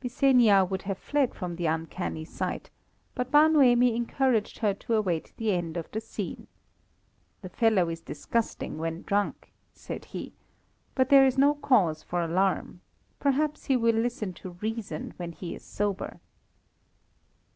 Byssenia would have fled from the uncanny sight, but Bar Noemi encouraged her to await the end of the scene. "The fellow is disgusting when drunk," said he, "but there is no cause for alarm; perhaps he will listen to reason when he is sober."